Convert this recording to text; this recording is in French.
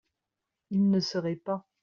Il ne seraient pas